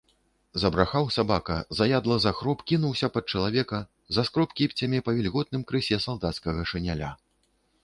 Забрахаў сабака, заядла захроп, кінуўся пад чалавека, заскроб кіпцямі па вільготным крысе салдацкага шыняля.